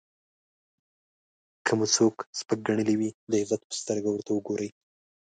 که مو څوک سپک ګڼلی وي د عزت په سترګه ورته وګورئ.